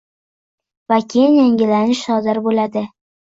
va keyin yangilanish sodir bo‘ladi.